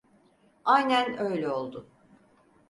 Aynen öyle oldu.